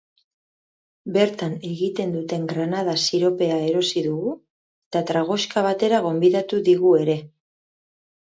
Bertan egiten duten granada siropea erosi dugu, eta tragoxka batera gonbidatu digu ere.